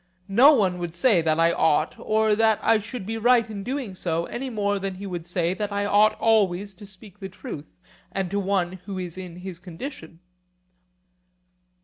No one would say that I ought or that I should be right in doing so, any more than they would say that I ought always to speak the truth to one who is in his condition.